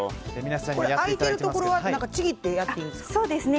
空いているところはちぎってやっていいんですか。